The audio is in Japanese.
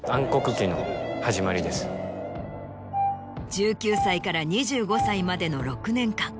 １９歳から２５歳までの６年間